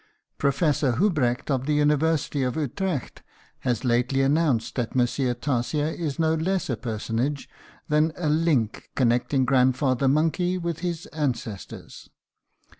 Professor Hubrecht of the University of Utrecht has lately announced that Monsieur Tarsier is no less a personage than a "link" connecting Grandfather Monkey with his ancestors.